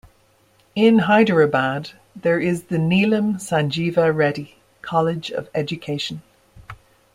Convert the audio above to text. In Hyderabad, there is the Neelam Sanjeeva Reddy College of Education.